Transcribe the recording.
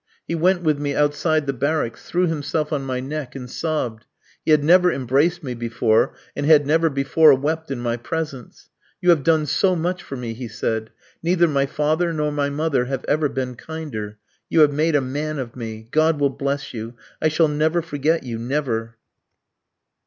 He went with me outside the barracks, threw himself on my neck and sobbed. He had never embraced me before, and had never before wept in my presence. "You have done so much for me," he said; "neither my father nor my mother have ever been kinder. You have made a man of me. God will bless you, I shall never forget you, never!"